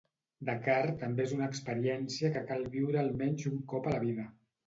Dakar també és una experiència que cal viure almenys un cop a la vida.